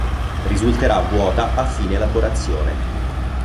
Risulterà vuota a fine elaborazione.